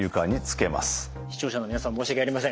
視聴者の皆さん申し訳ありません。